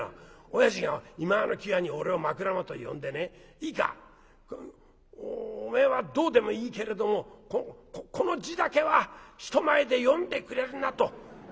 「おやじがいまわの際に俺を枕元へ呼んでね『いいかおめえはどうでもいいけれどもこの字だけは人前で読んでくれるな』と。